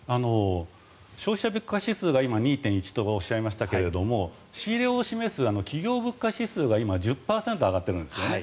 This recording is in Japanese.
消費者物価指数が今２．１とおっしゃいましたが仕入れを示す企業物価指数が今、１０％上がってるんですね。